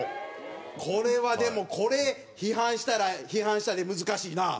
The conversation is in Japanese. これはでもこれ批判したら批判したで難しいな。